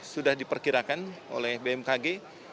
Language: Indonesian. sudah diperkirakan oleh bmkg